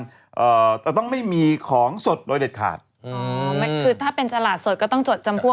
อ๋อคือถ้าเป็นตลาดสดก็ต้องจดจำพวกเป็นตลาดสด